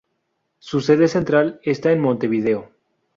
Su sede central está en Montevideo.